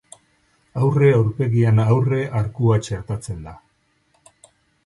Aurre aurpegian aurre arkua txertatzen da.